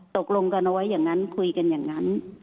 ตกลงกันเอาไว้อย่างนั้นคุยกันอย่างนั้น